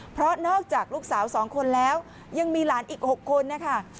เพราะนอกจากลูกสาว๒คนแล้วยังมีหลานอีก๖คนนะคะ